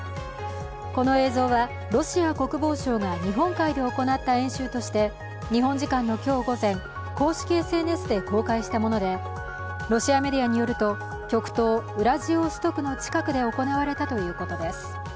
この映像はロシア国防省が日本海で行った演習として日本時間の今日午前、公式ＳＮＳで公開したもので、ロシアメディアによると、極東ウラジオストクの近くで行われたということです。